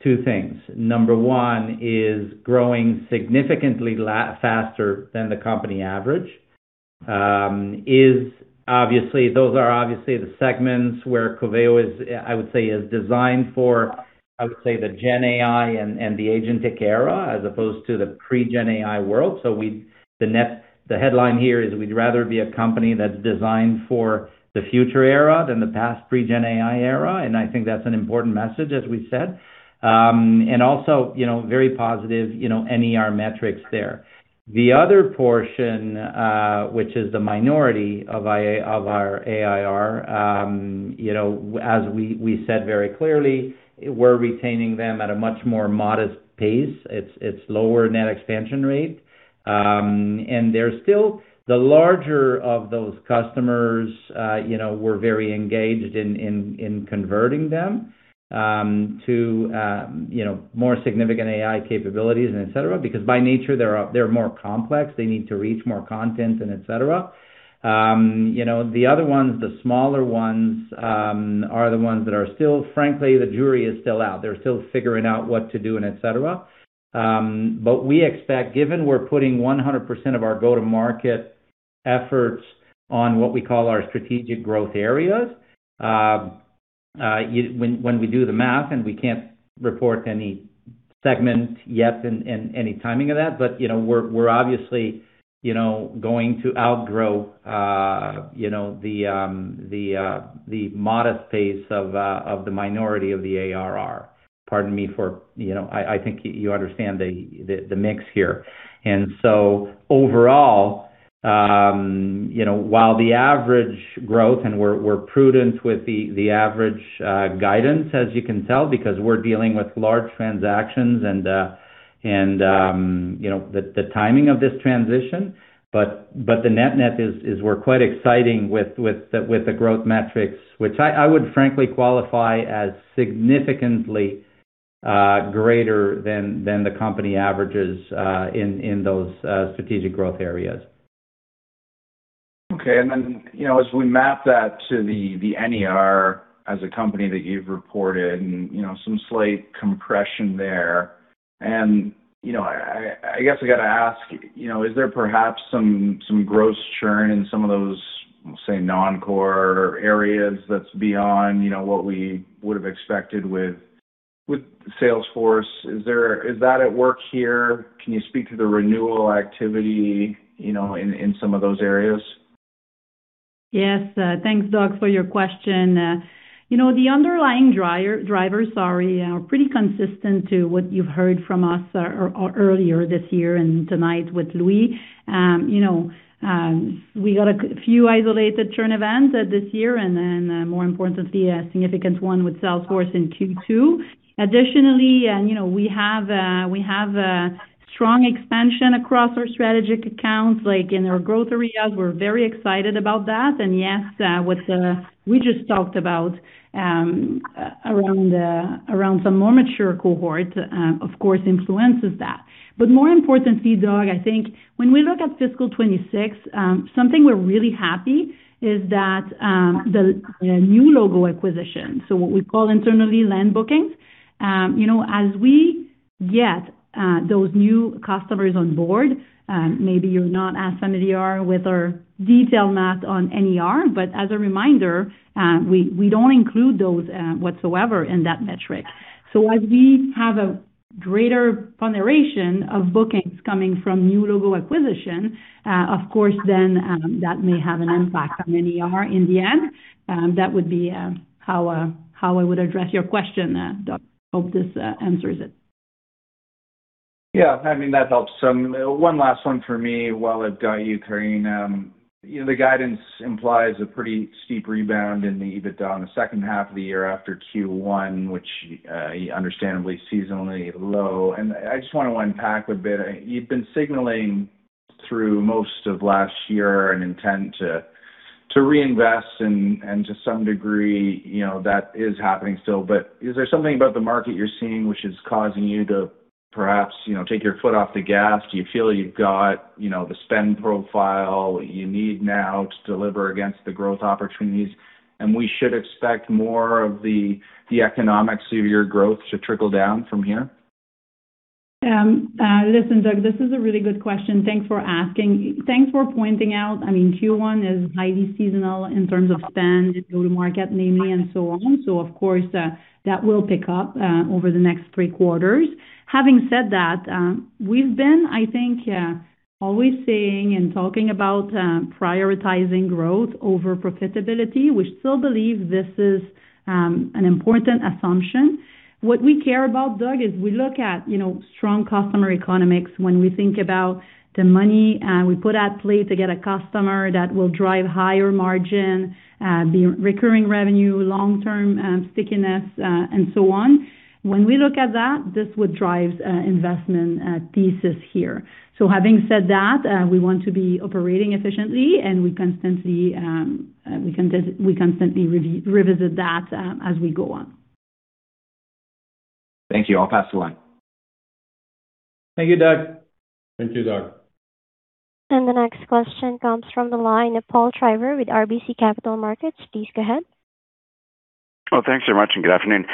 [SPEAKER 3] two things. Number one is growing significantly faster than the company average. Those are obviously the segments where Coveo is, I would say, is designed for, I would say, the GenAI and the agentic era as opposed to the pre-GenAI world. The headline here is we'd rather be a company that's designed for the future era than the past pre-GenAI era, and I think that's an important message, as we said. Also very positive NER metrics there. The other portion, which is the minority of our ARR, as we said very clearly, we're retaining them at a much more modest pace. It's lower Net Expansion Rate. The larger of those customers, we're very engaged in converting them to more significant AI capabilities and et cetera, because by nature, they're more complex. They need to reach more content and et cetera. The other ones, the smaller ones, are the ones that are still, frankly, the jury is still out. They're still figuring out what to do and et cetera. We expect, given we're putting 100% of our go-to-market efforts on what we call our Strategic Growth Areas. When we do the math and we can't report any segment yet and any timing of that, but we're obviously going to outgrow the modest pace of the minority of the ARR. I think you understand the mix here. Overall, while the average growth, and we're prudent with the average guidance, as you can tell, because we're dealing with large transactions and the timing of this transition. The net-net is we're quite excited with the growth metrics, which I would frankly qualify as significantly greater than the company averages in those strategic growth areas.
[SPEAKER 7] Okay. As we map that to the NER as a company that you've reported and some slight compression there. I guess I got to ask, is there perhaps some gross churn in some of those, say, non-core areas that's beyond what we would have expected with Salesforce? Is that at work here? Can you speak to the renewal activity in some of those areas?
[SPEAKER 5] Yes. Thanks, Doug, for your question. The underlying drivers, sorry, are pretty consistent to what you've heard from us earlier this year and tonight with Louis. We got a few isolated churn events this year and then, more importantly, a significant one with Salesforce in Q2. Additionally, we have a strong expansion across our strategic accounts, like in our growth areas. We're very excited about that. Yes, what we just talked about around some more mature cohorts, of course, influences that. More importantly, Doug, I think when we look at fiscal 2026, something we're really happy is that the new logo acquisition, so what we call internally land bookings. As we get those new customers on board, maybe you're not as familiar with our detail math on NER, but as a reminder, we don't include those whatsoever in that metric. As we have a greater ponderation of bookings coming from new logo acquisition, of course then, that may have an impact on NER in the end. That would be how I would address your question, Doug. I hope this answers it.
[SPEAKER 7] Yeah, I mean, that helps some. One last one for me. While at you, Karine, the guidance implies a pretty steep rebound in the EBITDA in the second half of the year after Q1, which understandably seasonally low. I just want to unpack a bit. You've been signaling through most of last year an intent to reinvest and to some degree, that is happening still. Is there something about the market you're seeing which is causing you to perhaps take your foot off the gas? Do you feel you've got the spend profile you need now to deliver against the growth opportunities, and we should expect more of the economics of your growth to trickle down from here?
[SPEAKER 5] Listen, Doug, this is a really good question. Thanks for asking. Thanks for pointing out, I mean, Q1 is highly seasonal in terms of spend, go-to-market, namely, and so on. Of course, that will pick up over the next three quarters. Having said that, we've been, I think, always saying and talking about prioritizing growth over profitability. We still believe this is an important assumption. What we care about, Doug, is we look at strong customer economics when we think about the money we put at play to get a customer that will drive higher margin, be recurring revenue, long-term stickiness, and so on. When we look at that, this would drive investment thesis here. Having said that, we want to be operating efficiently and we constantly revisit that as we go on.
[SPEAKER 7] Thank you. I'll pass the line.
[SPEAKER 4] Thank you, Doug.
[SPEAKER 3] Thank you, Doug.
[SPEAKER 1] The next question comes from the line of Paul Treiber with RBC Capital Markets. Please go ahead.
[SPEAKER 8] Well, thanks very much. Good afternoon.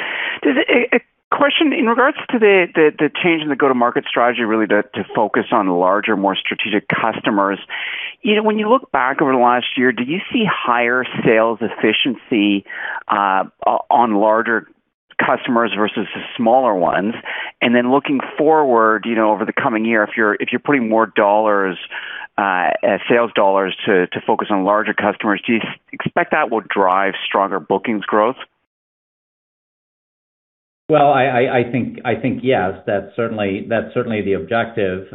[SPEAKER 8] A question in regards to the change in the go-to-market strategy, really to focus on larger, more strategic customers. When you look back over the last year, do you see higher sales efficiency on larger customers versus the smaller ones? Looking forward, over the coming year, if you're putting more sales dollars to focus on larger customers. Do you expect that will drive stronger bookings growth?
[SPEAKER 3] I think yes. That's certainly the objective.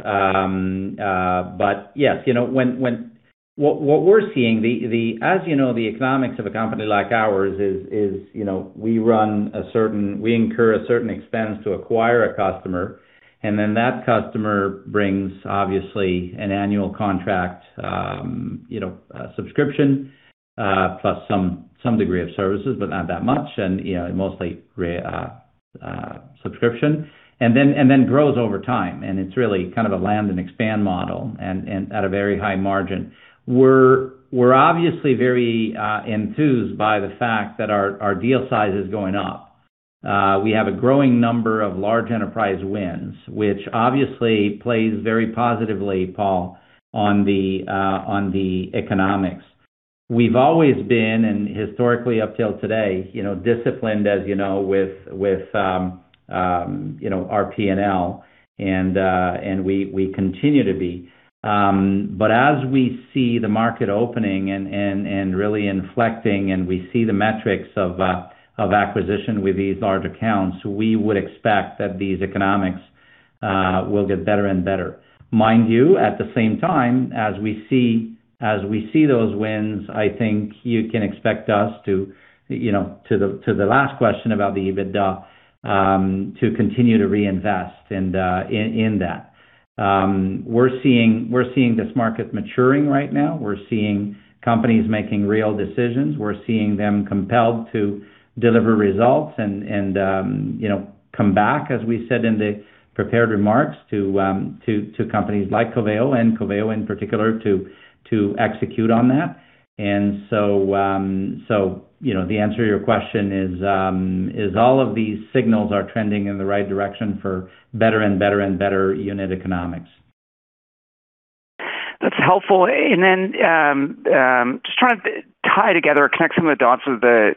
[SPEAKER 3] Yes, what we're seeing, as you know, the economics of a company like ours is we incur a certain expense to acquire a customer, and then that customer brings, obviously, an annual contract subscription, plus some degree of services, but not that much, and mostly subscription. Then grows over time, and it's really kind of a land and expand model and at a very high margin. We're obviously very enthused by the fact that our deal size is going up. We have a growing number of large enterprise wins, which obviously plays very positively, Paul, on the economics. We've always been, and historically up till today, disciplined, as you know, with our P&L, and we continue to be. As we see the market opening and really inflecting, and we see the metrics of acquisition with these large accounts, we would expect that these economics will get better and better. Mind you, at the same time, as we see those wins, I think you can expect us to, the last question about the EBITDA, to continue to reinvest in that. We're seeing this market maturing right now. We're seeing companies making real decisions. We're seeing them compelled to deliver results and come back, as we said in the prepared remarks, to companies like Coveo and Coveo in particular, to execute on that. The answer to your question is all of these signals are trending in the right direction for better and better unit economics.
[SPEAKER 8] That's helpful. Just trying to tie together or connect some of the dots with the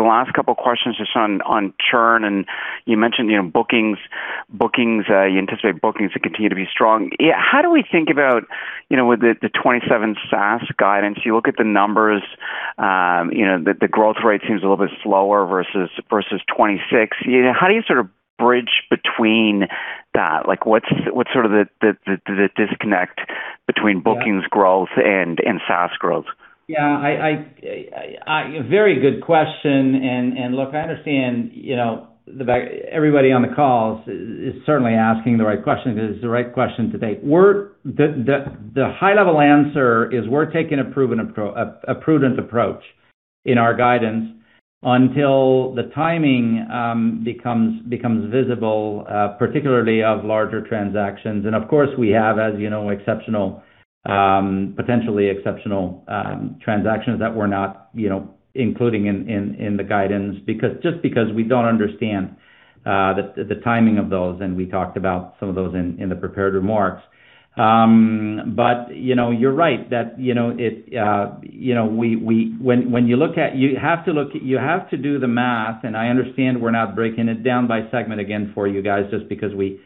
[SPEAKER 8] last couple of questions just on churn, and you mentioned bookings. You anticipate bookings to continue to be strong. How do we think about with the 2027 SaaS guidance, you look at the numbers, the growth rate seems a little bit slower versus 2026. How do you sort of bridge between that? What's sort of the disconnect between bookings growth and SaaS growth?
[SPEAKER 3] Yeah. A very good question. Look, I understand, everybody on the call is certainly asking the right question because it's the right question to take. The high level answer is we're taking a prudent approach in our guidance until the timing becomes visible, particularly of larger transactions. Of course, we have, as you know, potentially exceptional transactions that we're not including in the guidance, just because we don't understand the timing of those, and we talked about some of those in the prepared remarks. You're right. You have to do the math. I understand we're not breaking it down by segment again for you guys, just because we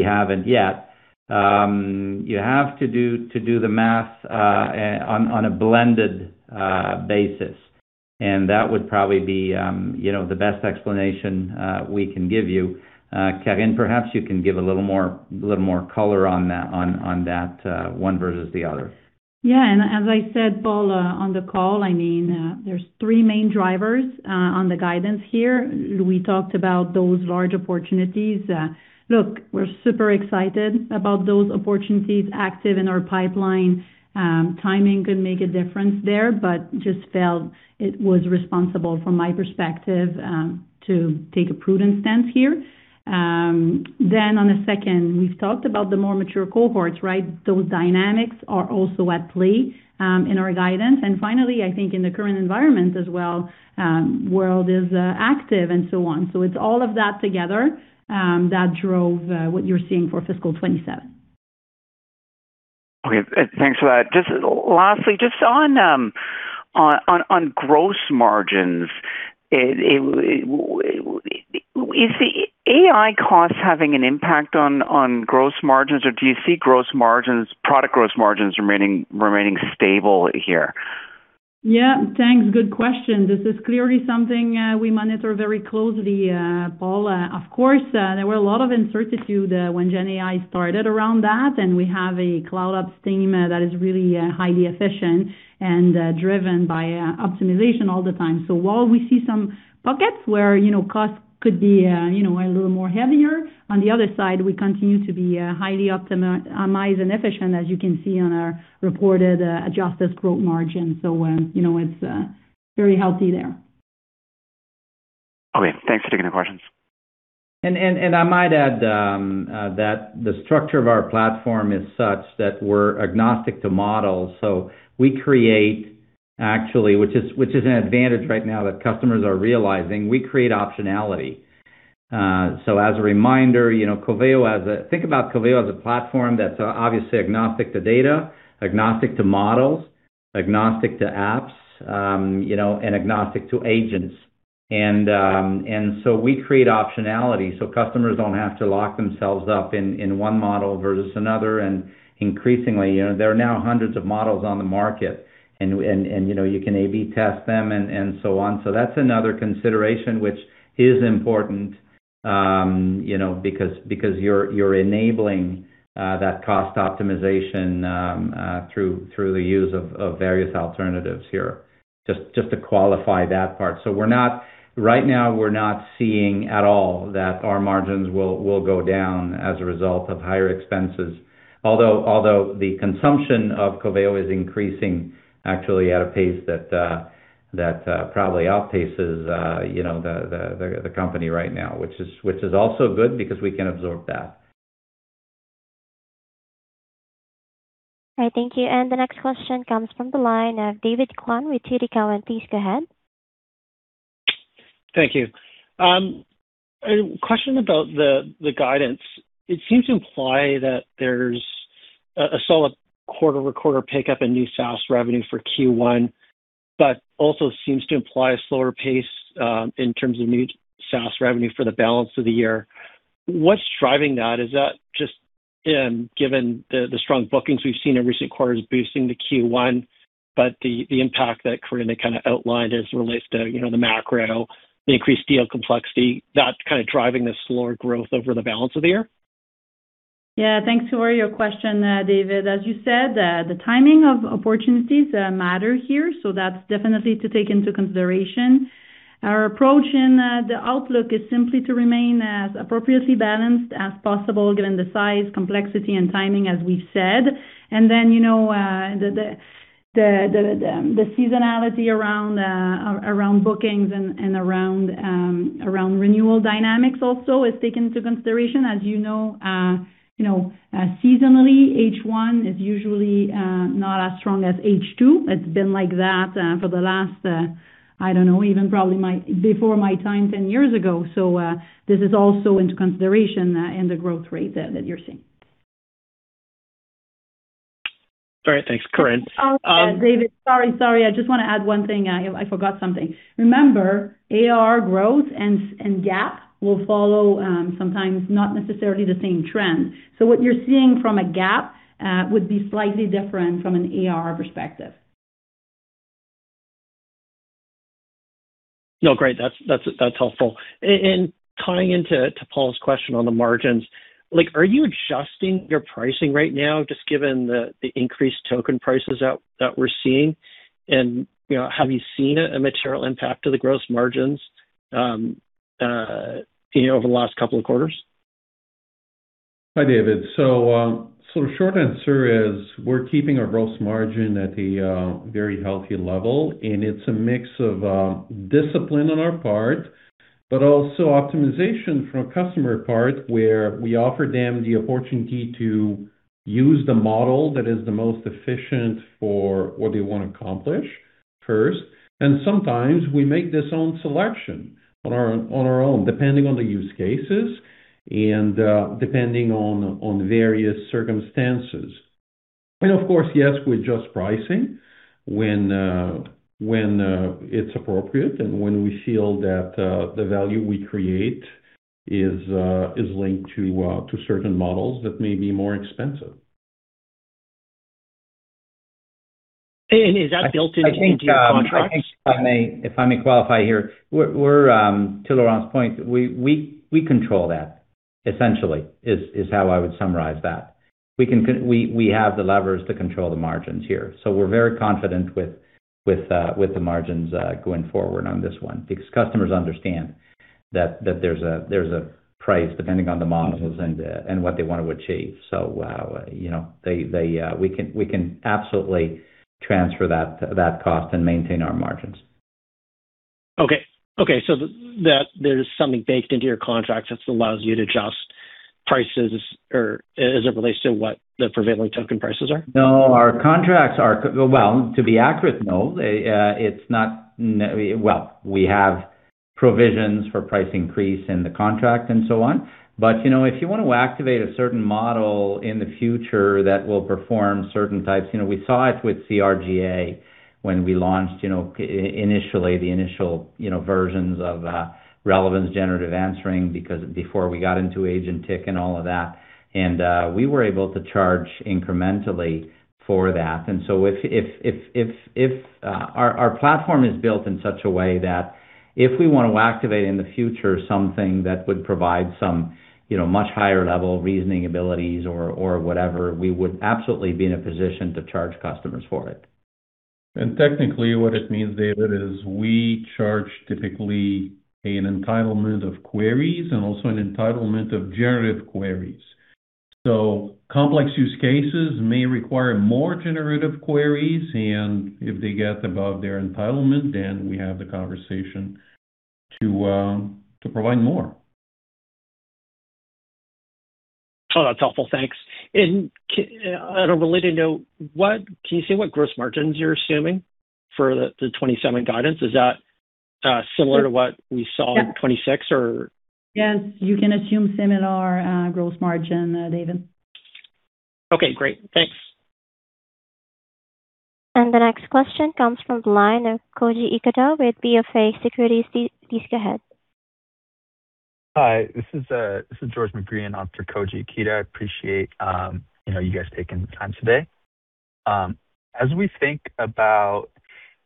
[SPEAKER 3] haven't yet. You have to do the math on a blended basis. That would probably be the best explanation we can give you. Karine, perhaps you can give a little more color on that one versus the other.
[SPEAKER 5] Yeah, as I said, Paul, on the call, there's three main drivers on the guidance here. We talked about those large opportunities. Look, we're super excited about those opportunities active in our pipeline. Timing could make a difference there, but just felt it was responsible from my perspective, to take a prudent stance here. On the second, we've talked about the more mature cohorts, right? Those dynamics are also at play in our guidance. Finally, I think in the current environment as well, world is active and so on. It's all of that together that drove what you're seeing for fiscal 2027.
[SPEAKER 8] Thanks for that. Just lastly, just on gross margins, is the AI costs having an impact on gross margins, or do you see product gross margins remaining stable here?
[SPEAKER 5] Yeah. Thanks. Good question. This is clearly something we monitor very closely, Paul. There were a lot of uncertainty when GenAI started around that, and we have a cloud ops team that is really highly efficient and driven by optimization all the time. While we see some pockets where costs could be a little more heavier, on the other side, we continue to be highly optimized and efficient, as you can see on our reported adjusted gross margin. It's very healthy there.
[SPEAKER 8] Okay. Thanks for taking the questions.
[SPEAKER 3] I might add that the structure of our platform is such that we're agnostic to models. We create actually, which is an advantage right now that customers are realizing, we create optionality. As a reminder, think about Coveo as a platform that's obviously agnostic to data, agnostic to models, agnostic to apps, and agnostic to agents. We create optionality so customers don't have to lock themselves up in one model versus another. Increasingly, there are now hundreds of models on the market, and you can A/B test them and so on. That's another consideration which is important because you're enabling that cost optimization through the use of various alternatives here. Just to qualify that part. Right now we're not seeing at all that our margins will go down as a result of higher expenses, although the consumption of Coveo is increasing actually at a pace that probably outpaces the company right now, which is also good because we can absorb that.
[SPEAKER 1] All right. Thank you. The next question comes from the line of David Kwan with TD Cowen. Please go ahead.
[SPEAKER 9] Thank you. A question about the guidance. It seems to imply that there's a solid quarter-over-quarter pickup in new SaaS revenue for Q1. But also seems to imply a slower pace in terms of new SaaS revenue for the balance of the year. What's driving that? Is that just given the strong bookings we've seen in recent quarters boosting the Q1, but the impact that Karine had kind of outlined as it relates to the macro, the increased deal complexity, that's kind of driving the slower growth over the balance of the year?
[SPEAKER 5] Yeah. Thanks for your question, David. As you said, the timing of opportunities matter here, so that's definitely to take into consideration. Our approach in the outlook is simply to remain as appropriately balanced as possible given the size, complexity, and timing, as we've said. The seasonality around bookings and around renewal dynamics also is taken into consideration. As you know, seasonally, H1 is usually not as strong as H2. It's been like that for the last, I don't know, even probably before my time 10 years ago. This is also into consideration in the growth rate that you're seeing.
[SPEAKER 9] All right. Thanks. Karine.
[SPEAKER 5] David, sorry. I just want to add one thing. I forgot something. Remember, ARR growth and GAAP will follow sometimes not necessarily the same trend. What you're seeing from a GAAP would be slightly different from an ARR perspective.
[SPEAKER 9] No, great. That's helpful. Tying into Paul's question on the margins, are you adjusting your pricing right now, just given the increased token prices that we're seeing? Have you seen a material impact to the gross margins over the last couple of quarters?
[SPEAKER 4] Hi, David. short answer is we're keeping our gross margin at a very healthy level, and it's a mix of discipline on our part, but also optimization from a customer part where we offer them the opportunity to use the model that is the most efficient for what they want to accomplish first. Sometimes we make this own selection on our own, depending on the use cases and depending on various circumstances. Of course, yes, we adjust pricing when it's appropriate and when we feel that the value we create is linked to certain models that may be more expensive.
[SPEAKER 9] Is that built into your contracts?
[SPEAKER 3] I think if I may qualify here. To Laurent's point, we control that, essentially, is how I would summarize that. We have the levers to control the margins here. We're very confident with the margins going forward on this one, because customers understand that there's a price depending on the models and what they want to achieve. We can absolutely transfer that cost and maintain our margins.
[SPEAKER 9] Okay. There's something baked into your contracts that allows you to adjust prices as it relates to what the prevailing token prices are?
[SPEAKER 3] No. Well, to be accurate, no. Well, we have provisions for price increase in the contract and so on. If you want to activate a certain model in the future that will perform certain types. We saw it with RGA when we launched initially the initial versions of Relevance Generative Answering before we got into agentic and all of that. We were able to charge incrementally for that. If our platform is built in such a way that if we want to activate in the future something that would provide some much higher level reasoning abilities or whatever. We would absolutely be in a position to charge customers for it.
[SPEAKER 4] Technically what it means, David, is we charge typically an entitlement of queries and also an entitlement of generative queries. Complex use cases may require more generative queries, and if they get above their entitlement, then we have the conversation to provide more.
[SPEAKER 9] Oh, that's helpful. Thanks. On a related note, can you say what gross margins you're assuming for the 2027 guidance? Is that similar to what we saw in 2026, or?
[SPEAKER 5] Yes, you can assume similar gross margin, David.
[SPEAKER 9] Okay, great. Thanks.
[SPEAKER 1] The next question comes from the line of Koji Ikeda with BofA Securities. Please go ahead.
[SPEAKER 10] Hi, this is George McGreehan after Koji Ikeda. I appreciate you guys taking the time today. As we think about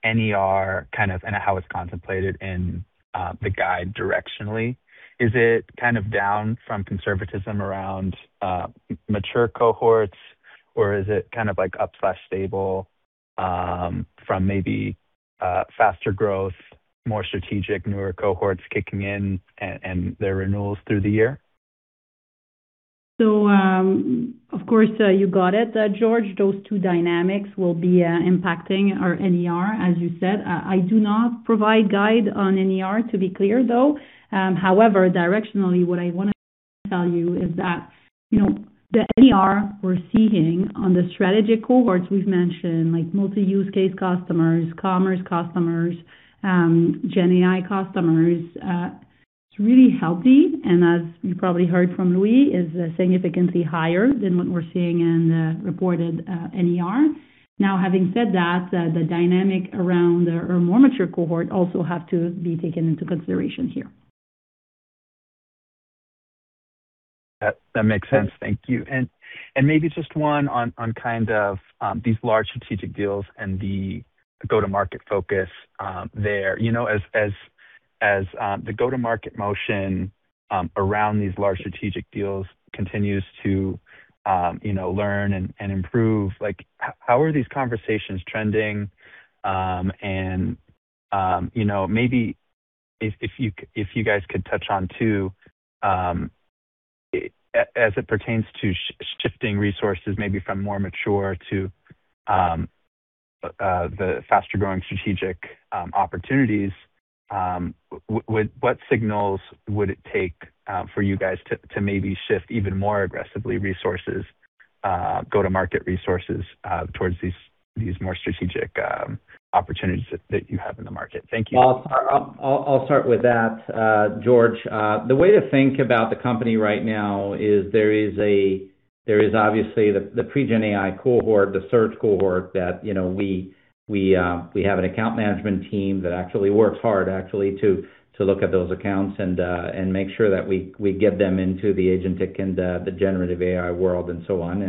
[SPEAKER 10] NER and how it's contemplated in the guide directionally. Is it down from conservatism around mature cohorts? Or is it up/stable from maybe faster growth, more strategic newer cohorts kicking in and their renewals through the year?
[SPEAKER 5] Of course, you got it, George. Those two dynamics will be impacting our NER, as you said. I do not provide guide on NER, to be clear, though. Directionally, what I want to tell you is that the NER we're seeing on the strategic cohorts we've mentioned, like multi-use case customers, commerce customers, GenAI customers. It's really healthy, and as you probably heard from Louis, is significantly higher than what we're seeing in the reported NER. Having said that, the dynamic around our more mature cohort also have to be taken into consideration here.
[SPEAKER 10] That makes sense. Thank you. Maybe just one on kind of these large strategic deals and the go-to-market focus there. As the go-to-market motion around these large strategic deals continues to learn and improve, how are these conversations trending? Maybe if you guys could touch on, too, as it pertains to shifting resources, maybe from more mature to the faster-growing strategic opportunities. What signals would it take for you guys to maybe shift even more aggressively resources, go-to-market resources towards these more strategic opportunities that you have in the market? Thank you.
[SPEAKER 3] I'll start with that, George. The way to think about the company right now is there is obviously the pre-GenAI cohort, the search cohort, that we have an account management team that actually works hard to look at those accounts and make sure that we get them into the agentic and the generative AI world and so on.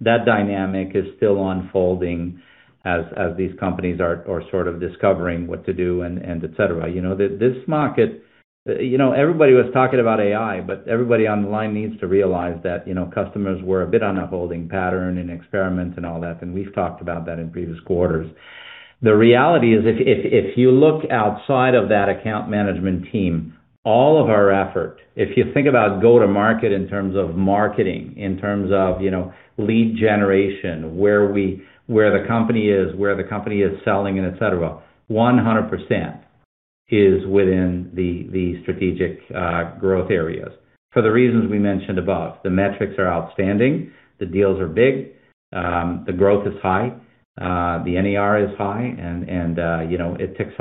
[SPEAKER 3] That dynamic is still unfolding as these companies are sort of discovering what to do and et cetera. This market, everybody was talking about AI, but everybody on the line needs to realize that customers were a bit on a holding pattern and experiments and all that, and we've talked about that in previous quarters. The reality is if you look outside of that account management team, all of our effort, if you think about go-to-market in terms of marketing, in terms of lead generation, where the company is, where the company is selling, and et cetera, 100% is within the strategic growth areas for the reasons we mentioned above. The metrics are outstanding, the deals are big, the growth is high, the NER is high, and it ticks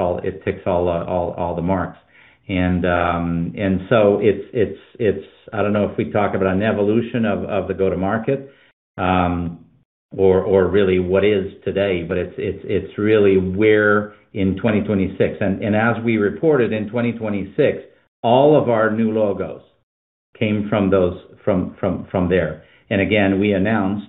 [SPEAKER 3] all the marks. I don't know if we talk about an evolution of the go-to-market or really what is today, but it's really we're in 2026. As we reported in 2026, all of our new logos came from there. Again, we announced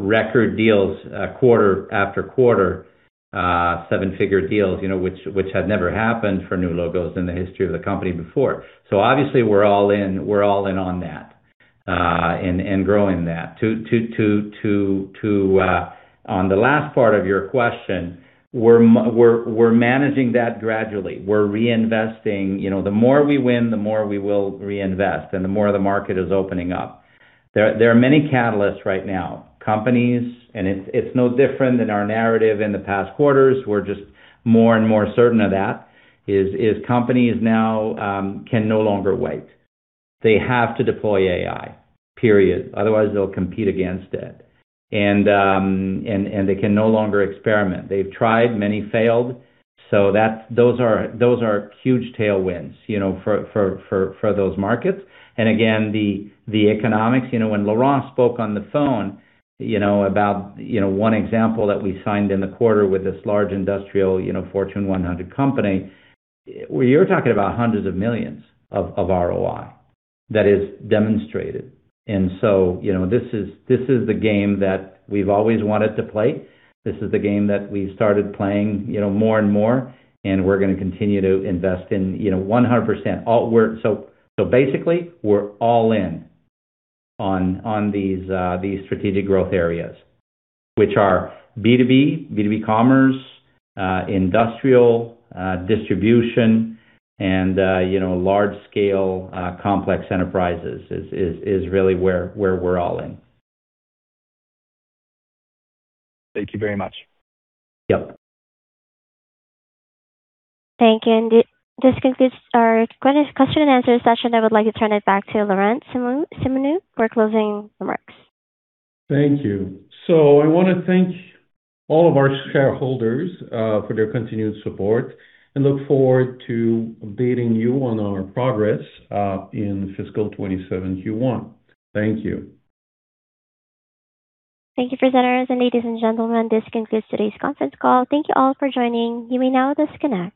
[SPEAKER 3] record deals quarter-after-quarter, seven-figure deals which had never happened for new logos in the history of the company before. Obviously, we're all in on that, and growing that. On the last part of your question, we're managing that gradually. We're reinvesting. The more we win, the more we will reinvest, and the more the market is opening up. There are many catalysts right now. Companies, and it's no different than our narrative in the past quarters, we're just more and more certain of that, is companies now can no longer wait. They have to deploy AI, period. Otherwise, they'll compete against it. They can no longer experiment. They've tried, many failed. Those are huge tailwinds for those markets. Again, the economics, when Laurent spoke on the phone about one example that we signed in the quarter with this large industrial Fortune 100 company, you're talking about hundreds of millions of ROI that is demonstrated. This is the game that we've always wanted to play. This is the game that we started playing more and more, and we're going to continue to invest in 100%. Basically, we're all in on these strategic growth areas, which are B2B commerce, industrial distribution, and large-scale complex enterprises is really where we're all in.
[SPEAKER 10] Thank you very much.
[SPEAKER 3] Yep.
[SPEAKER 1] Thank you. This concludes our question and answer session. I would like to turn it back to Laurent Simoneau for closing remarks.
[SPEAKER 4] Thank you. I want to thank all of our shareholders for their continued support and look forward to updating you on our progress in fiscal 2027 Q1. Thank you.
[SPEAKER 1] Thank you, presenters, and ladies and gentlemen, this concludes today's conference call. Thank you all for joining. You may now disconnect.